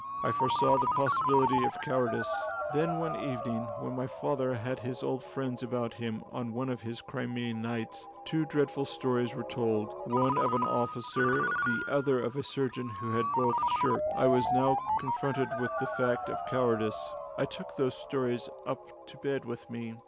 I foresaw the possibility of cowardice. Then one evening, when my father had his old friends about him on one of his Crimean nights, two dreadful stories were told one of an officer, the other of a surgeon, who had both shirked. I was now confronted with the fact of cowardice. I took those stories up to bed with me.